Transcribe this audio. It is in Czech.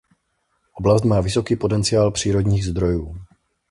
Oblast má vysoký potenciál přírodních zdrojů.